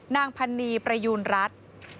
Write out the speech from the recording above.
นางพันนีประยูณรัฐ